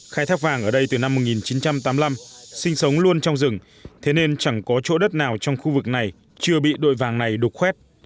khai thác vàng ở đây từ năm một nghìn chín trăm tám mươi năm sinh sống luôn trong rừng thế nên chẳng có chỗ đất nào trong khu vực này chưa bị đội vàng này đục khoét